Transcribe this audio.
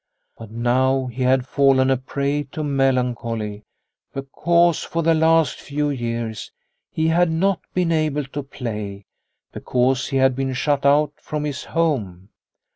But now he had fallen a prey to melancholy, because for the last few years he had not been able to play, because he had been shut out from his home.